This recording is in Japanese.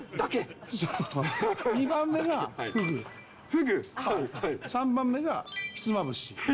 ２番目がフグ、３番目がひつまぶし。